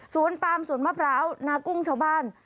ปามสวนมะพร้าวนากุ้งชาวบ้าน